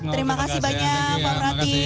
terima kasih banyak pak pratik